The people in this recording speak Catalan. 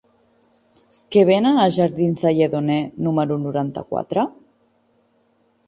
Què venen als jardins del Lledoner número noranta-quatre?